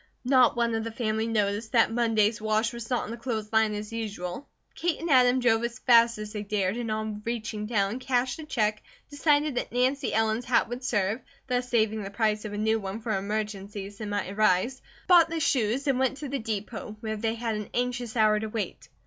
Not one of the family noticed that Monday's wash was not on the clothes line as usual. Kate and Adam drove as fast as they dared, and on reaching town, cashed the check, decided that Nancy Ellen's hat would serve, thus saving the price of a new one for emergencies that might arise, bought the shoes, and went to the depot, where they had an anxious hour to wait.